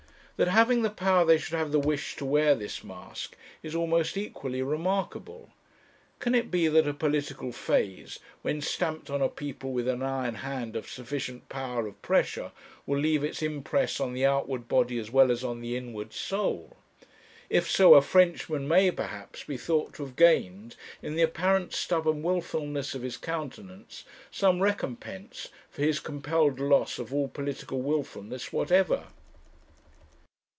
That having the power they should have the wish to wear this mask is almost equally remarkable. Can it be that a political phase, when stamped on a people with an iron hand of sufficient power of pressure, will leave its impress on the outward body as well as on the inward soul? If so, a Frenchman may, perhaps, be thought to have gained in the apparent stubborn wilfulness of his countenance some recompense for his compelled loss of all political wilfulness whatever.